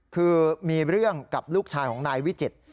คือมีเรื่องกับลูกชายของนายวิจิตร